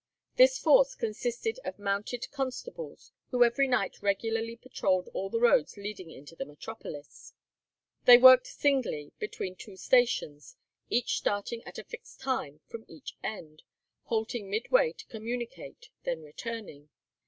This force consisted of mounted constables, who every night regularly patrolled all the roads leading into the metropolis. They worked singly between two stations, each starting at a fixed time from each end, halting midway to communicate, then returning.